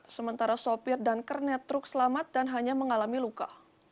sementara sopir dan kernet truk selamat dan hanya mengalami luka